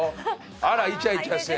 あらイチャイチャして。